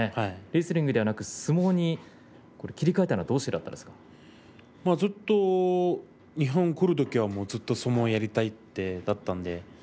レスリングではなく相撲に切り替えたのはずっと日本に来るときはずっと相撲をやりたいと思っていたので